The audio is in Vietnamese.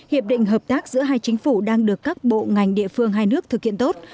hiệp định hợp tác giữa hai chính phủ đang được các bộ ngành địa phương hai nước thực hiện tốt